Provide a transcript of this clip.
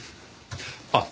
あっ！